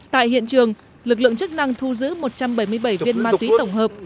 tại hiện trường lực lượng chức năng thu giữ một trăm bảy mươi bảy viên ma túy tổng hợp